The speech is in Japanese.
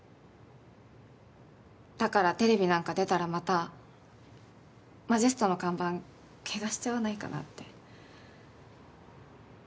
だからテレビなんか出たらまたＭＡＪＥＳＴの看板汚しちゃわないかなって。